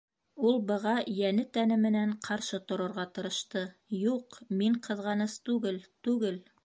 Ул быға йәне-тәне менән ҡаршы торорға тырышты: «Юҡ, мин ҡыҙғаныс түгел, түгел!..»